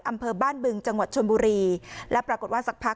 อำเภอบ้านบึงจังหวัดชนบุรีและปรากฏว่าสักพัก